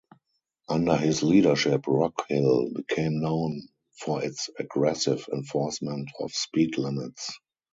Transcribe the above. Under his leadership Rock Hill became known for its aggressive enforcement of speed limits.